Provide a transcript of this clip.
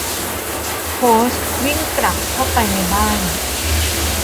โค้ชวิ่งกลับเข้าไปในบ้าน